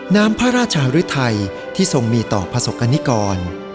น้ำพระราชหรือไทยที่ทรงมีต่อประสบกรณิกร